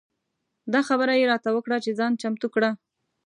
دا خبره یې راته وکړه چې ځان چمتو کړه.